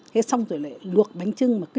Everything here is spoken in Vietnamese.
hết xong rồi lại luộc bánh chưng mà cứ đi